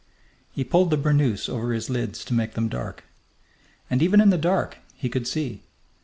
He pulled the burnoose over his lids to make them dark. And even in the dark he could see.